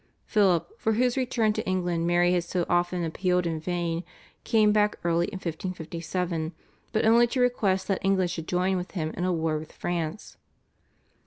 Philip, for whose return to England Mary had so often appealed in vain, came back early in 1557, but only to request that England should join with him in a war with France.